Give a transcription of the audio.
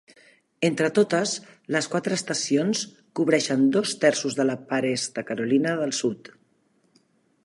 Entre totes, les quatre estacions cobreixen dos terços de la part est de Carolina del Sud.